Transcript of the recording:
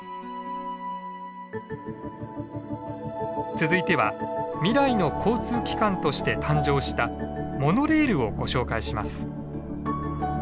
続いては「未来の交通機関」として誕生したモノレールをご紹介します。